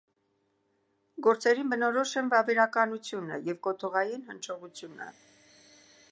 Գործերին բնորոշ են վավերականությունը և կոթողային հնչողությունը։